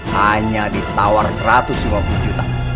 hanya ditawar satu ratus lima puluh juta